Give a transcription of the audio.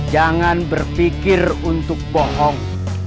jangan berpikir untuk bohong